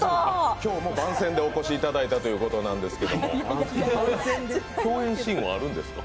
今日も番宣でお越しいただいたということですけど、共演シーンはあるんですか？